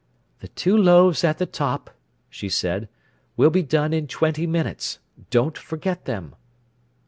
"The two loaves at the top," she said, "will be done in twenty minutes. Don't forget them."